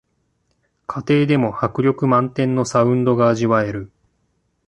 家庭でも迫力満点のサウンドが味わえる